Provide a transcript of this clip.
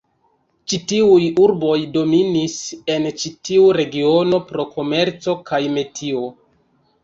Ĉi tiuj urboj dominis en ĉi tiu regiono pro komerco kaj metio.